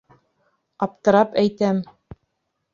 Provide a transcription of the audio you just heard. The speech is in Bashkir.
Аптырап әйтәм.